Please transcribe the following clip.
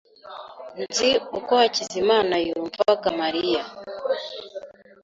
Nzi uko Hakizimana yumvaga Mariya.